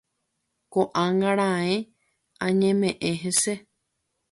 Ko'ág̃a raẽ añeme'ẽ hese